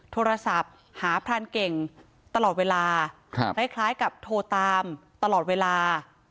โทรศัพท์หาพรานเก่งตลอดเวลาคล้ายกับโทรตามตลอดเวลา